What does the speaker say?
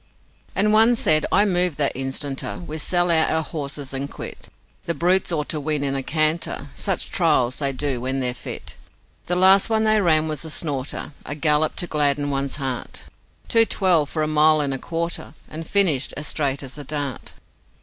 And one said, 'I move that instanter We sell out our horses and quit, The brutes ought to win in a canter, Such trials they do when they're fit. The last one they ran was a snorter A gallop to gladden one's heart Two twelve for a mile and a quarter, And finished as straight as a dart.